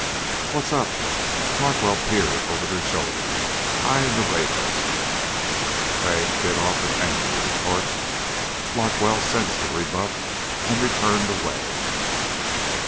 "What's up?" Larkwell peered over their shoulders, eyeing the radarscope. Crag bit off an angry retort. Larkwell sensed the rebuff and returned away.